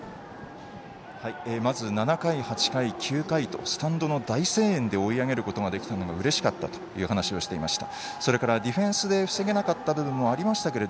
まず７回、８回、９回とスタンドの大声援で追い上げることができてうれしかったと話していました。